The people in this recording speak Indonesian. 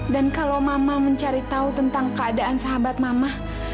dan kalau mama mencari tahu tentang keadaan sahabat mama